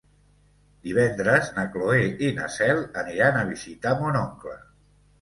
Divendres na Cloè i na Cel aniran a visitar mon oncle.